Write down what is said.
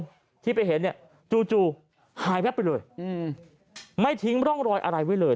กลายให้ไปเห็นจูหายไปแล้วไม่ทิ้งรองรอยอะไรไว้เลย